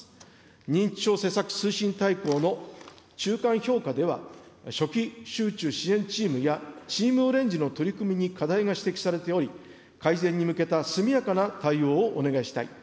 認知症施策推進大綱の中間評価では、初期集中支援チームや、チームオレンジの取り組みに課題が指摘されており、改善に向けた速やかな対応をお願いしたい。